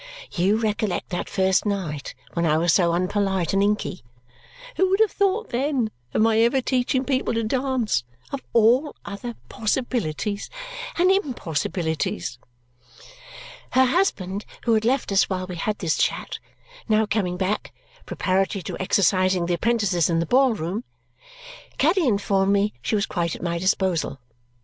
You recollect that first night, when I was so unpolite and inky? Who would have thought, then, of my ever teaching people to dance, of all other possibilities and impossibilities!" Her husband, who had left us while we had this chat, now coming back, preparatory to exercising the apprentices in the ball room, Caddy informed me she was quite at my disposal.